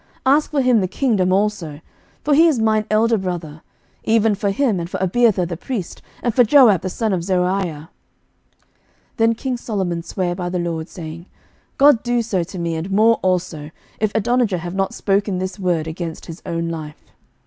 ask for him the kingdom also; for he is mine elder brother; even for him, and for Abiathar the priest, and for Joab the son of Zeruiah. 11:002:023 Then king Solomon sware by the LORD, saying, God do so to me, and more also, if Adonijah have not spoken this word against his own life.